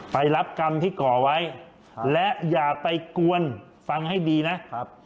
ไปรับกรรมที่ก่อไว้และอย่าไปกวนฟังให้ดีนะครับ